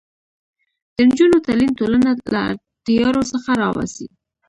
د نجونو تعلیم ټولنه له تیارو څخه راباسي.